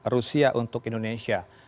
rusia untuk indonesia